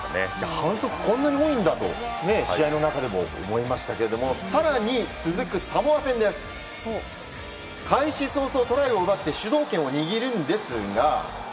反則がこんなに多いんだと試合の中でも思いましたけども更に、続くサモア戦。開始早々、トライを奪って主導権を握りますが。